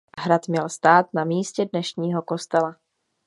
Hrad měl stát na místě dnešního kostela.